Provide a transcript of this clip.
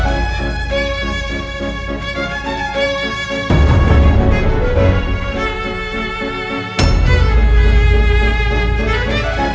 andien udah sampai kali ya